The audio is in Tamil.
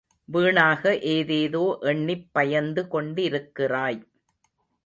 வீணாக ஏதேதோ எண்ணிப் பயந்து கொண்டிருக்கிறாய்.